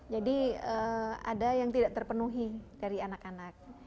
jadi ada yang tidak terpenuhi dari anak anak